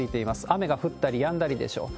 雨が降ったりやんだりでしょう。